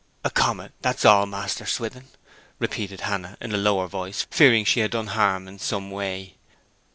'A comet that's all, Master Swithin,' repeated Hannah, in a lower voice, fearing she had done harm in some way.